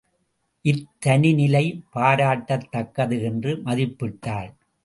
இத் தனி நிலை பாராட்டத்தக்கது என்று மதிப்பிட்டாள்.